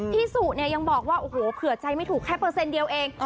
พี่สุยังบอกว่าเผื่อใจไม่ถูกแค่เปอร์เซ็นต์เดียวเอง